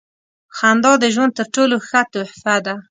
• خندا د ژوند تر ټولو ښه تحفه ده.